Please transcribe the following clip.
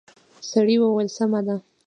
سړي وويل سمه ده.